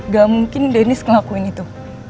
gak mungkin deniz ngelakuin itu